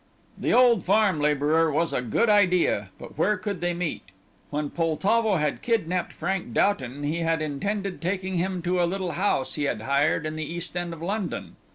The old farm labourer was a good idea, but where could they meet? When Poltavo had kidnapped Frank Doughton he had intended taking him to a little house he had hired in the East End of London.